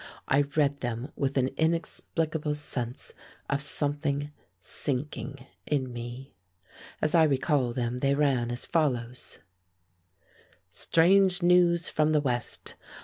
I read them with an inexplicable sense of something sinking in me. As I recall them they ran as follows: "Strange news from the West.